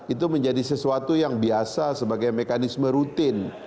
itu menjadi sesuatu yang biasa sebagai mekanisme rutin